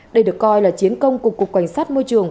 đây được coi là chiến công của cục cảnh sát môi trường